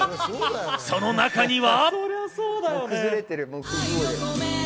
その中には。